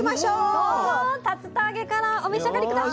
どうぞ竜田揚げからお召し上がり下さい。